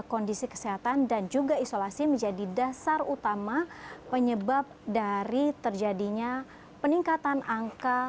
kondisi kesehatan dan juga isolasi menjadi dasar utama penyebab dari terjadinya peningkatan angka